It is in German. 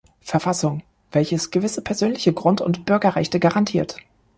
Verfassung, welches gewisse persönliche Grund- und Bürgerrechte garantiert.